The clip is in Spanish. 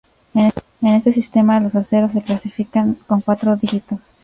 En este sistema los aceros se clasifican con cuatro dígitos.